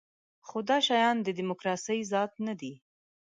خو دا شیان د دیموکراسۍ ذات نه دی.